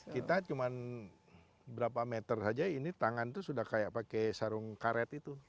kita cuma berapa meter saja ini tangan tuh sudah kayak pakai sarung karet itu